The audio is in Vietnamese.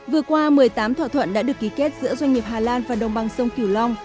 vừa qua một mươi tám thỏa thuận đã được ký kết giữa doanh nghiệp hà lan và đồng bằng sông kiều long